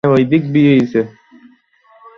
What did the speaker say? ওখানে যাব এখন?